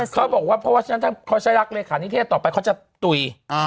เขาบอกว่าเพราะฉะนั้นถ้าเขาใช้รักเลขานิเทศต่อไปเขาจะตุ๋ย